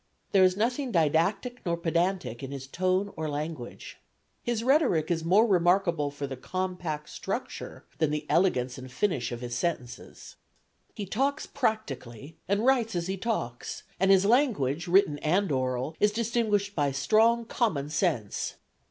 There is nothing didactic nor pedantic in his tone or language. His rhetoric is more remarkable for the compact structure than the elegance and finish of his sentences. He talks practically, and writes as he talks, and his language, written and oral, is distinguished by strong common sense.